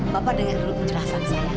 bapak dengar rupanya rafa